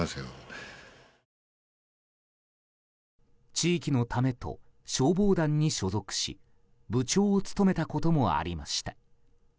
地域のためと消防団に所属し部長を務めたこともありました。